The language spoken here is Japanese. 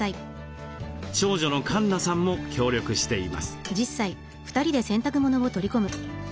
長女のかんなさんも協力しています。